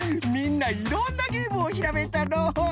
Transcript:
みんないろんなゲームをひらめいたのう。